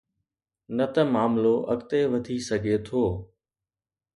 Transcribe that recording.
نه ته معاملو اڳتي وڌي سگهي ٿو.